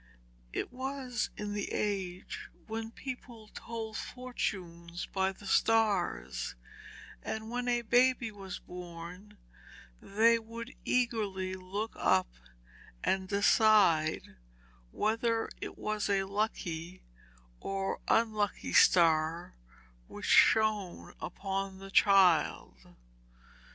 It was in the age when people told fortunes by the stars, and when a baby was born they would eagerly look up and decide whether it was a lucky or unlucky star which shone upon the child.